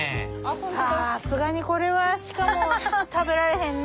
さすがにこれは鹿も食べられへんな。